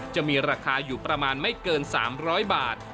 จะมีราคาอยู่ประมาณไม่เกิน๓๐๐บาท